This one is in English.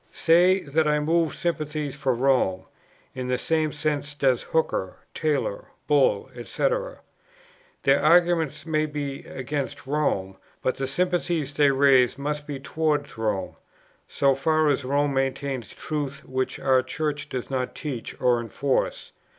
Say, that I move sympathies for Rome: in the same sense does Hooker, Taylor, Bull, &c. Their arguments may be against Rome, but the sympathies they raise must be towards Rome, so far as Rome maintains truths which our Church does not teach or enforce.